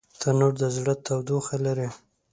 تنور د زړه تودوخه لري